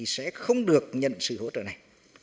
sẽ không được nhận sự hỗ trợ này